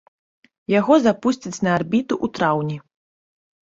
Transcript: Яго запусцяць на арбіту ў траўні.